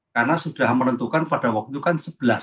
karena sudah menentukan pada waktu itu kan sebelas